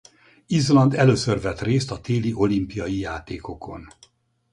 Izland először vett részt a téli olimpiai játékokon.